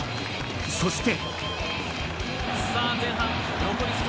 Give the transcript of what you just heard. そして。